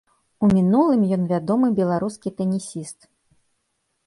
У мінулым ён вядомы беларускі тэнісіст.